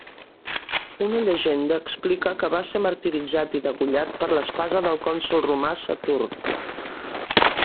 Una llegenda explica que va ser martiritzat i degollat per espasa pel cònsol romà Saturn.